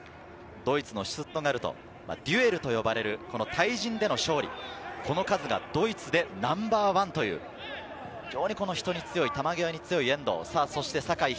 ドイツのシュツットガルト、デュエルと呼ばれる対人での勝利、この数がドイツでナンバーワンという遠藤航。